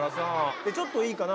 でちょっといいかな？